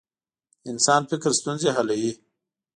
د انسان فکر ستونزې حلوي.